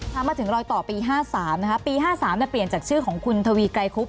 ถ้ามาถึงรอยต่อปี๕๓นะคะปี๕๓เปลี่ยนจากชื่อของคุณทวีไกรคุบ